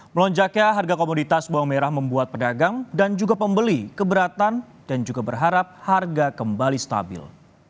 melonjaknya harga komoditas bawang merah membuat pedagang dan juga pembeli keberatan dan juga berharap harga kembali stabil